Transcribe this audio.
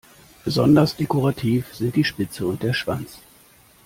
Besonders dekorativ sind die Spitze und der Schwanz.